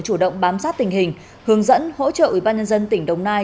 chủ động bám sát tình hình hướng dẫn hỗ trợ ủy ban nhân dân tỉnh đồng nai